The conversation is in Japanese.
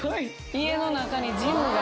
家の中にジムが。